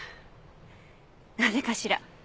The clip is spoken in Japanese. なぜかしら。